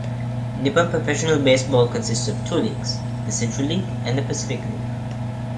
Nippon Professional Baseball consists of two leagues, the Central League and the Pacific League.